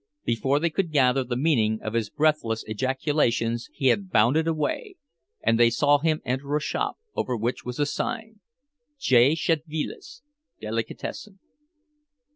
Before they could gather the meaning of his breathless ejaculations he had bounded away, and they saw him enter a shop, over which was a sign: "J. Szedvilas, Delicatessen."